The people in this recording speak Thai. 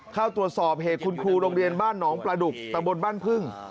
เข้าตรวจสอบเหตุคุณครูโรงเรียนบ้านหนองประดุกตะบนบ้านพึ่ง